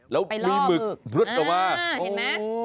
แล้วมีหมึกบรึ๊ดออกมาโอ้โฮโอ้โฮเห็นไหม